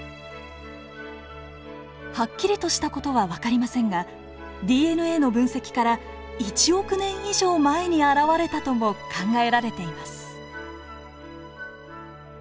はっきりとした事は分かりませんがＤＮＡの分析から１億年以上前に現れたとも考えられています。